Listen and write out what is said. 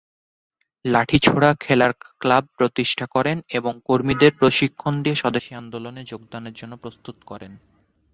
লাঠি-ছোরা খেলার ক্লাব প্রতিষ্ঠা করেন এবং কর্মীদের প্রশিক্ষণ দিয়ে স্বদেশী আন্দোলনে যোগদানের জন্য প্রস্তুত করেন।